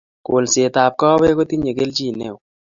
kolsetab kaawek kotinyei kelchin neoo